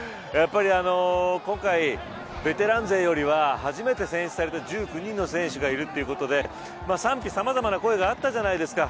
今回、ベテラン勢よりは初めて選出された１９人の選手がいるということで賛否、さまざまな声がありました。